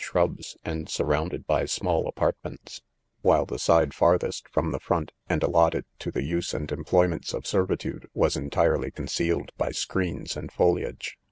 shrubs, and surrounded by small, apartments ; while the side farthest from the front,, and allotted to. the use and employments of servitude, was entire ly concealed by screens and foliage.